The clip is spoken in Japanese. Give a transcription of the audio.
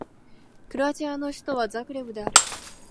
クロアチアの首都はザグレブである